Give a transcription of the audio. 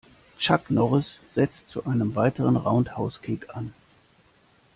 Chuck Norris setzt zu einem weiteren Roundhouse-Kick an.